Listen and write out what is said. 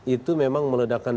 itu memang meledakan